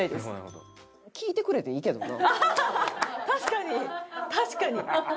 確かに確かに。